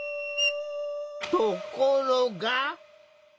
ところが。